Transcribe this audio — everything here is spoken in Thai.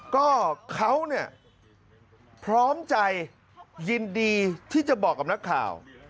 ก็เขาเนี่ยพร้อมใจยินดีที่จะบอกกับนักข่าว